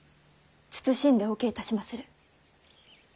謹んでお受けいたしまする。